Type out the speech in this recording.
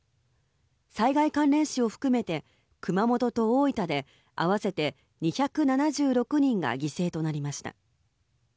災害関連死を含めて熊本と大分で合わせて２７６人が犠牲となりました。